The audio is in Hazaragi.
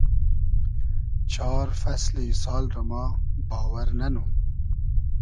چار فئسلی سال رۂ ما باوئر نئنوم